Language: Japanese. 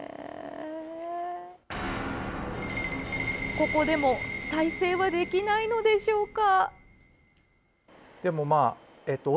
ここでも再生はできないのでしょうか？